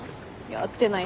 会ってない。